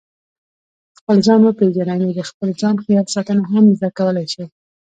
خپل ځان وپېژنئ نو د خپل ځان خیال ساتنه هم زده کولای شئ.